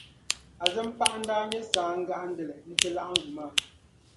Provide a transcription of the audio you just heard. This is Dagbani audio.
Azimpaɣa n-daa nyɛ saan'gahindili n-ti laɣingu maa